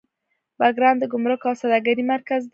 بګرام د ګمرک او سوداګرۍ مرکز و